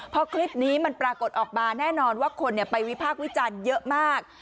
พอคลิปนี้มันปรากฏออกมาแน่นอนว่าคนไปวิพากษ์วิจารณ์เยอะมาก